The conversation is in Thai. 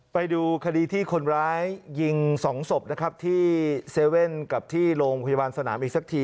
ไปดูคดีที่คนร้ายยิง๒ศพนะครับที่๗๑๑กับที่โรงพยาบาลสนามอีกสักที